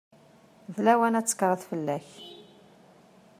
D lawan ad tekkreḍ fell-ak.